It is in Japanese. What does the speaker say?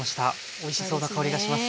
おいしそうな香りがします。